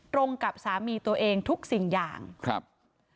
ตรงกับสามีตัวเองทุกสิ่งอย่างข้อมูล